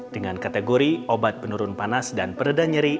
dengan kategori obat penurun panas dan peredah nyeri